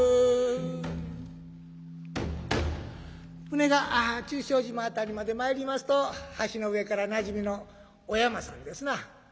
船が中書島辺りまで参りますと橋の上からなじみのおやまさんですな。